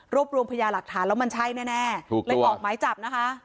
รวมรวมพยาหลักฐานแล้วมันใช่แน่เลยออกหมายจับนะคะ